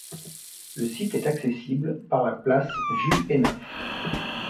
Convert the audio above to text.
Le site est accessible par la place Jules-Hénaffe.